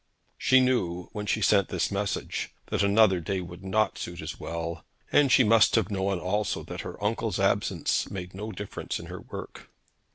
She knew when she sent this message that another day would not suit as well. And she must have known also that her uncle's absence made no difference in her work.